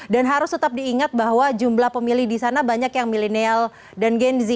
dan harus tetap diingat bahwa jumlah pemilih di sana banyak yang milenial dan genzi